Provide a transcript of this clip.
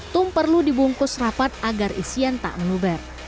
tum perlu dibungkus rapat agar isian tak menuber